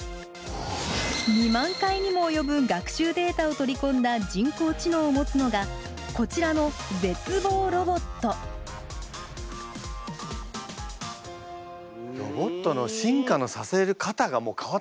２万回にも及ぶ学習データを取り込んだ人工知能をもつのがこちらの絶望ロボットロボットの進化のさせ方がもう変わってきたんですね。